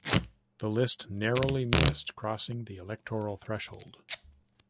The list narrowly missed crossing the electoral threshold.